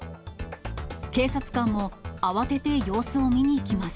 警察官も、慌てて様子を見に行きます。